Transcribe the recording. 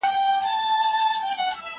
زه مخکي خبري کړي وو؟